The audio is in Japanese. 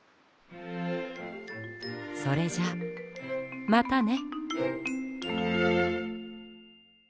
それじゃあまたね。